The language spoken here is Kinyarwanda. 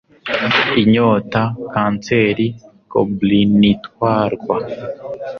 Inyota kanseri goblinitwarwa